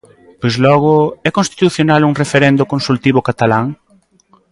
Pois logo... é constitucional un referendo consultivo catalán?